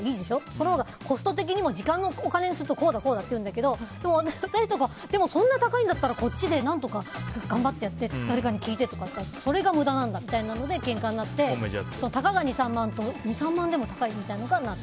そのほうがコスト的にも時間をお金にするとこうだっていうんだけど私はそんな高いんだったらこっちで頑張ってやって誰かに聞いて、それが無駄なんだみたいにけんかになってたかが２３万でも高いみたいになる。